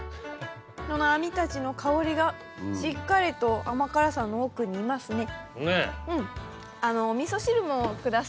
このあみたちの香りがしっかりと甘辛さの奥にいますね。